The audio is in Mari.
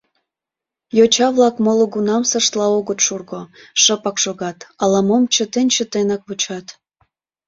Йоча-влак молгунамсыштла огыт шурно, шыпак шогат, ала-мом чытен-чытенак вучат.